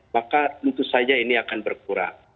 maka tentu saja ini akan berkurang